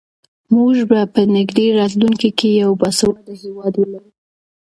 موږ به په نږدې راتلونکي کې یو باسواده هېواد ولرو.